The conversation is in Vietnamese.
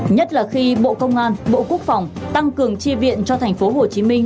nhất là khi bộ công an bộ quốc phòng tăng cường chi viện cho thành phố hồ chí minh